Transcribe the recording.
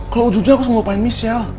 kalau ujurnya aku harus ngelupain michelle